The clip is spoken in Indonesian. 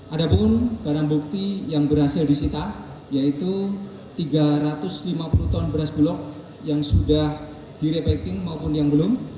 ada pun barang bukti yang berhasil disita yaitu tiga ratus lima puluh ton beras bulog yang sudah direpekting maupun yang belum